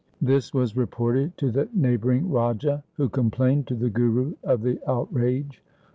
This was reported to the neighbouring Raja, who com plained to the Guru of the outrage.